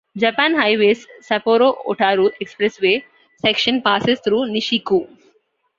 Japan Highway's Sapporo-Otaru expressway section passes through Nishi-ku.